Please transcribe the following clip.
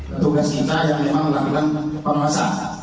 petugas kita yang memang melakukan pengawasan